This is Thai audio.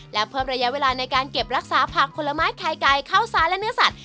และเพิ่มระยะเวลาในการเก็บรักษาผักผลไม้ไข่ไก่ข้าวสารและเนื้อสัตว